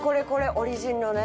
オリジンのね。